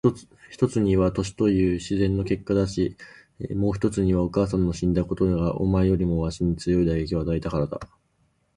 一つには年という自然の結果だし、もう一つにはお母さんの死んだことがお前よりもわしに強い打撃を与えたからだ。